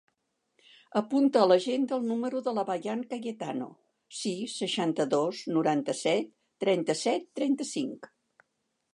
Apunta a l'agenda el número de la Bayan Cayetano: sis, seixanta-dos, noranta-set, trenta-set, trenta-cinc.